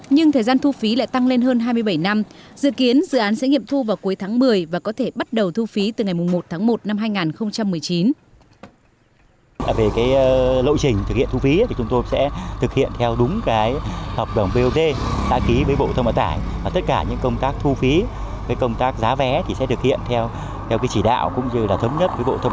nhưng thời gian thu phí lại tăng lên hơn hai mươi bảy năm dự kiến dự án sẽ nghiệm thu vào cuối tháng một mươi và có thể bắt đầu thu phí từ ngày một tháng một năm hai nghìn một mươi chín